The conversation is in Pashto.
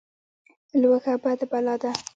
لوږه بده بلا ده.